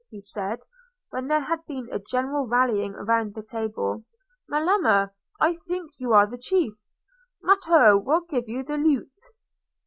he said, when there had been a general rallying round the table. "Melema, I think you are the chief: Matteo will give you the lute."